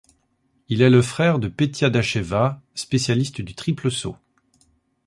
Il est le frère de Petia Dacheva, spécialiste du triple saut.